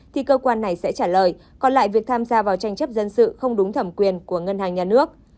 thì cơ quan này sẽ trả lời còn lại việc tham gia vào tranh chấp dân sự không đúng thẩm quyền của ngân hàng nhà nước